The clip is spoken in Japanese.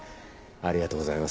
ありがとうございます。